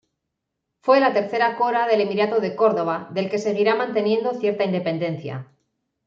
Fue la tercera cora del emirato de Córdoba, del que seguirá manteniendo cierta independencia.